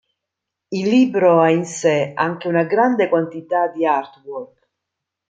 Il libro ha in sé anche una grande quantità di artwork.